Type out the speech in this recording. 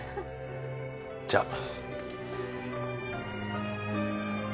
じゃあ。